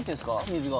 水が。